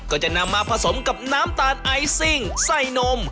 ก็จะนำมาผสมกับน้ำตาลไอซิ่งใส่นม